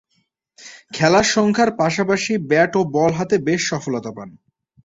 খেলার সংখ্যার পাশাপাশি ব্যাট ও বল হাতে বেশ সফলতা পান।